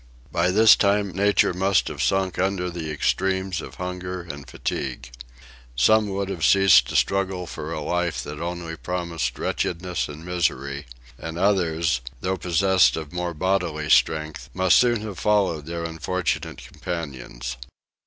By this time nature must have sunk under the extremes of hunger and fatigue. Some would have ceased to struggle for a life that only promised wretchedness and misery; and others, though possessed of more bodily strength, must soon have followed their unfortunate companions.